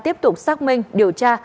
tiếp tục xác minh điều tra